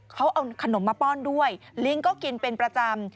เขาเอาขนมมาป้อนด้วยลิงก็กินเป็นประจำ